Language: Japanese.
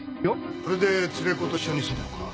それで連れ子と一緒に住んでんのか。